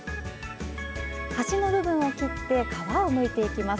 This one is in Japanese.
端の部分を切って皮をむいていきます。